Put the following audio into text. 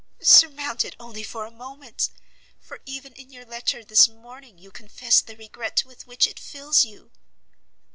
"Surmounted only for a moment! for even in your letter this morning you confess the regret with which it fills you."